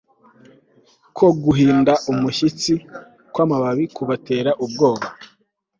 ko guhinda umushyitsi kwamababi kubatera ubwoba